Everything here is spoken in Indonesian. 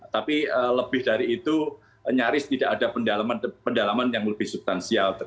tapi lebih dari itu nyaris tidak ada pendalaman yang lebih substansial